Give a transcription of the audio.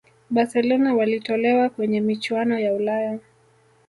barcelona walitolewa kwenye michuano ya ulaya